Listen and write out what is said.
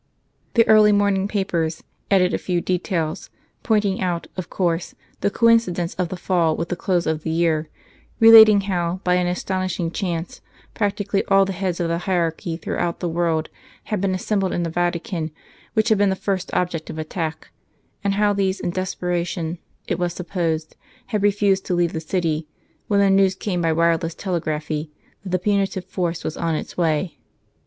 The early morning papers added a few details, pointing out, of course, the coincidence of the fall with the close of the year, relating how, by an astonishing chance, practically all the heads of the hierarchy throughout the world had been assembled in the Vatican which had been the first object of attack, and how these, in desperation, it was supposed, had refused to leave the City when the news came by wireless telegraphy that the punitive force was on its way.